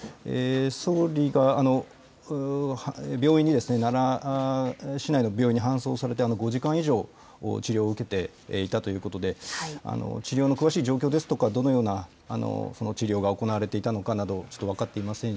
総理が病院に、奈良市内の病院に搬送されて５時間以上治療を受けていたということで、治療の詳しい状況ですとか、どのような治療が行われていたのかなどは分かっていません。